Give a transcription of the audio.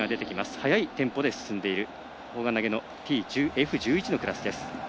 速いテンポで進んでいる砲丸投げのＦ１１のクラスです。